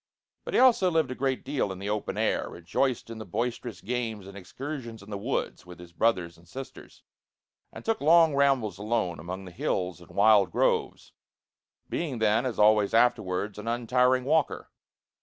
But he also lived a great deal in the open air, rejoiced in the boisterous games and excursions in the woods with his brothers and sisters, and took long rambles alone among the hills and wild groves; being then, as always afterwards, an untiring walker.